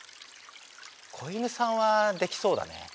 子犬さんはできそうだね。